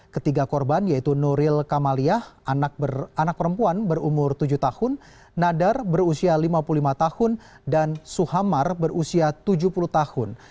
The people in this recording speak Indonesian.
ketiga korban yaitu nuril kamaliyah anak perempuan berumur tujuh tahun nadar berusia lima puluh lima tahun dan suhamar berusia tujuh puluh tahun